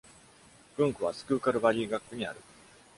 郡区はスクーカル・バリー学区にある。